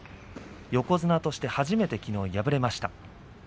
横綱として初めてきのう敗れました。